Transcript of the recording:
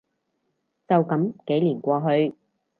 就噉幾年過去